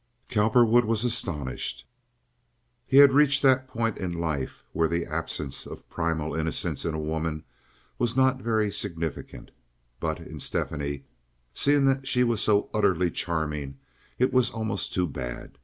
Cowperwood was astonished. He had reached that point in life where the absence of primal innocence in a woman was not very significant; but in Stephanie, seeing that she was so utterly charming, it was almost too bad.